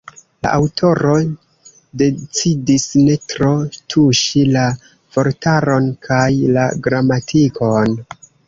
La aŭtoro decidis ne tro tuŝi la vortaron kaj la gramatikon.